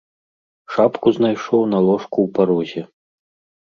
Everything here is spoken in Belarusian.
Шапку знайшоў на ложку ў парозе.